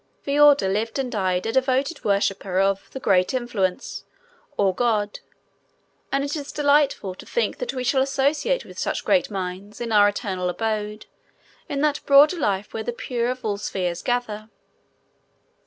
Veorda lived and died a devoted worshipper of "The Great Influence," or God, and it is delightful to think that we shall associate with such great minds in our eternal abode in that Broader Life where the pure of all spheres gather.